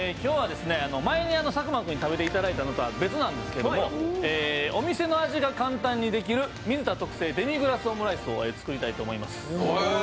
前に佐久間君に食べていただいたのとは別なんですけどお店の味が簡単にできる水田特製デミグラスオムライスを作りたいと思います。